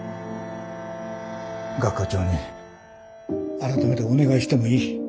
学長に改めてお願いしてもいい。